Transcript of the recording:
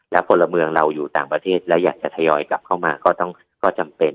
แล้วพลเมืองเราอยู่ต่างประเทศแล้วอยากจะทยอยกลับเข้ามาก็ต้องจำเป็น